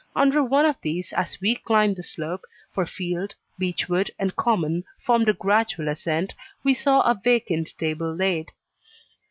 Under one of these, as we climbed the slope for field, beech wood, and common formed a gradual ascent we saw a vacant table laid.